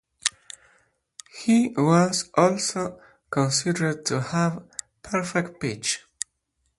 He was also considered to have perfect pitch.